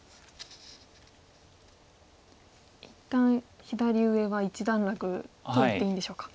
一旦左上は一段落と言っていいんでしょうか。